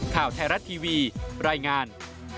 ข่าวไทยรัฐทีวีรายงาน